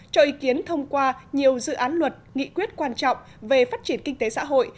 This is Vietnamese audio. cho ý kiến thông qua nhiều dự án luật nghị quyết quan trọng về phát triển kinh tế xã hội